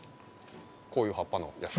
こういう葉っぱのやつ。